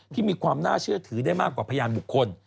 ที่มีความน่าเชื่อถือได้มากกว่าพยานบุคคล